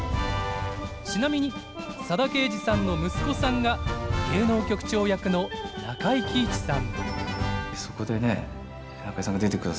ちなみに佐田啓二さんの息子さんが芸能局長役の中井貴一さん。